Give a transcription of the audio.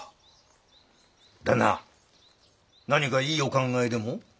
旦那何かいいお考えでも？